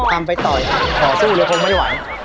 ทำไปต่อสู้ต่อสู้เนี่ยคงไม่ไหว